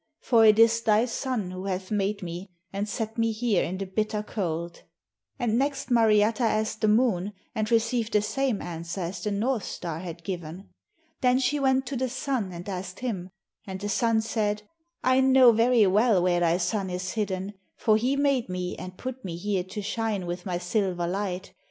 For it is thy son who hath made me and set me here in the bitter cold.' And next Mariatta asked the Moon, and received the same answer as the North star had given. Then she went to the Sun and asked him. And the Sun said: 'I know very well where thy son is hidden, for he made me and put me here to shine with my silver light.